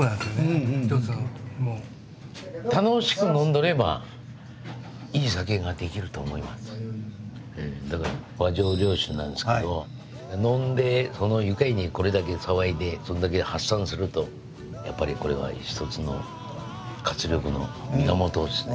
きれいな酒を造ろうと思っとる「和醸良酒」なんですけど飲んで愉快にこれだけ騒いでそれだけ発散するとやっぱりこれは一つの活力の源ですね。